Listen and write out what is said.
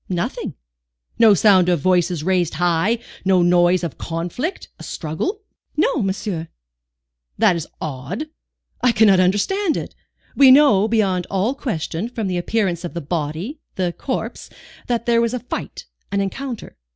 "Nothing." "No sound of voices raised high, no noise of a conflict, a struggle?" "No, monsieur." "That is odd. I cannot understand it. We know, beyond all question, from the appearance of the body, the corpse, that there was a fight, an encounter.